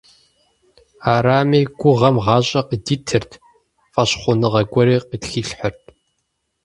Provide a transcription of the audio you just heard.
Арами, гугъэм гъащӀэ къыдитырт, фӀэщхъуныгъэ гуэри къытхилъхьэрт.